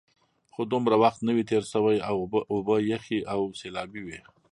خو دومره وخت نه وي تېر شوی، اوبه یخې او سیلابي وې.